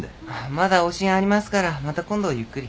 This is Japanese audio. まだ往診ありますからまた今度ゆっくり。